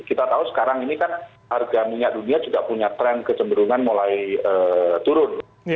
kita tahu sekarang ini kan harga minyak dunia juga punya tren kecenderungan mulai turun